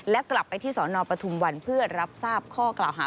และกลับไปที่สนปทุมวันเพื่อรับทราบข้อกล่าวหา